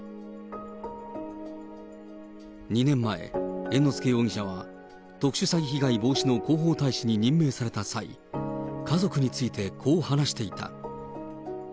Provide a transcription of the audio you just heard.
２年前、猿之助容疑者は、特殊詐欺被害防止の広報大使に任命された際、家族についてこう話していた。